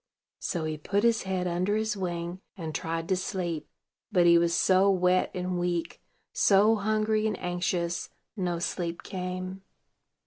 So he put his head under his wing, and tried to sleep; but he was so wet and weak, so hungry and anxious, no sleep came.